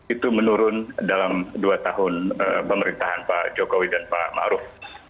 itu menurun dalam dua tahun pemerintahan pak jokowi dan pak ⁇ maruf ⁇